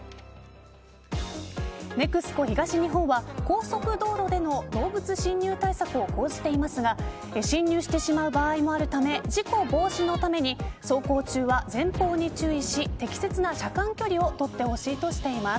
ＮＥＸＣＯ東日本は高速道路での動物侵入対策を講じていますが侵入してしまう場合もあるため事故防止のために走行中は前方に注意し適切な車間距離を取ってほしいとしています。